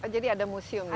jadi ada museum disitu